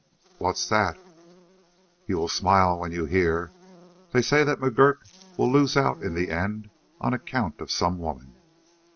"What's that?" "You will smile when you hear. They say that McGurk will lose out in the end on account of some woman."